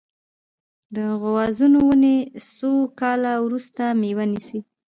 د غوزانو ونې څو کاله وروسته میوه نیسي؟